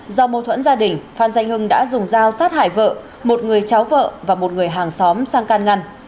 do mâu thuẫn gia đình phan danh hưng đã dùng dao sát hại vợ một người cháu vợ và một người hàng xóm sang can ngăn